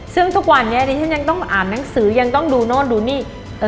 ซึ่งทุกวันนี้ดิฉันยังต้องอ่านหนังสือยังต้องดูโน่นดูนี่